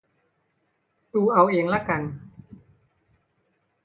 ดูเอาเองละกัน